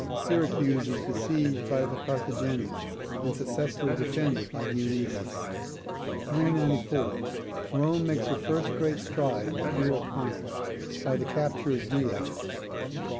Syracuse is besieged by the Carthaginians, and successfully defended by Dionysius. 394. Rome makes her first great stride in the career of conquest by the capture of Veii.